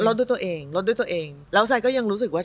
ลดด้วยตัวเองแล้วฉันก็ยังรู้สึกว่า